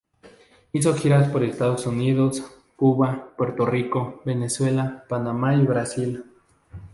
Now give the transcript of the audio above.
Hizo giras por Estados Unidos, Cuba, Puerto Rico, Venezuela, Panamá y Brasil.